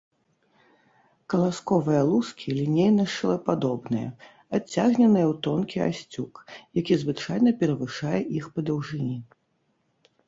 Каласковыя лускі лінейна-шылападобныя, адцягненыя ў тонкі асцюк, які звычайна перавышае іх па даўжыні.